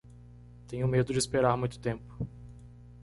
Tenho medo de esperar muito tempo.